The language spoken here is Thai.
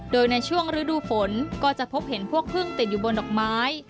โดยในช่วงฤดูฝนก็จะพบเห็นพวกพึ่งติดอยู่บนดอกไม้